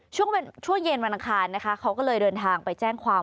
ช่วงเย็นวันอังคารนะคะเขาก็เลยเดินทางไปแจ้งความ